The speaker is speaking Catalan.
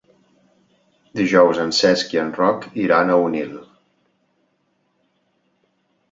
Dijous en Cesc i en Roc iran a Onil.